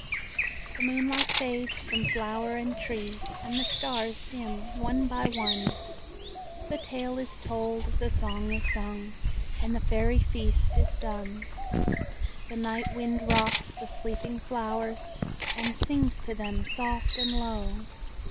The moonlight fades from flower and tree, And the stars dim one by one; The tale is told, the song is sung, And the Fairy feast is done. The night wind rocks the sleeping flowers, And sings to them, soft and low.